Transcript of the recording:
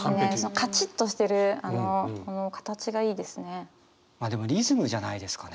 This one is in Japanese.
カチッとしてるこの形がいいですね。